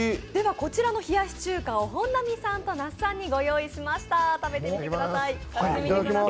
こちらの冷やし中華を本並さんと那須さんにご用意しました。